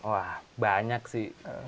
wah banyak sih